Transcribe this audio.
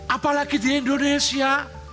apalagi di indonesia